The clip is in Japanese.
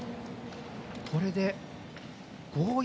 これで５−４